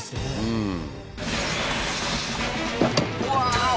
うん